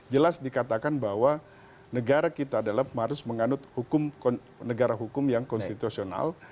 jelas dikatakan bahwa negara kita adalah harus menganut negara hukum yang konstitusional